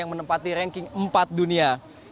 mereka memiliki empat dunia